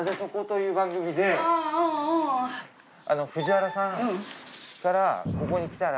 藤原さんからここにきたら。